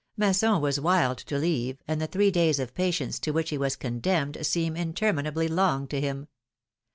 Masson was wild to leave, and the three days of patience to which he was condemned seemed interminably long to him.